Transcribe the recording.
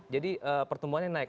jadi pertumbuhannya naik